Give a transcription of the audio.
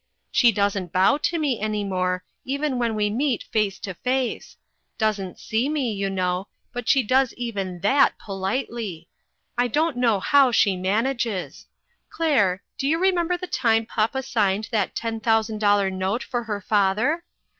She doesn't bow to me any more, even when we meet face to face ; doesn't see me, you know, but she does even that politely. I don't know how she manages. Claire, do you remember the time papa signed that ten thousand dol lar note for her father?